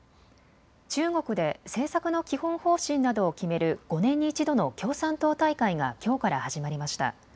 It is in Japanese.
中国で政策の基本方針などを決める５年に１度の共産党大会がきょうから始まりました。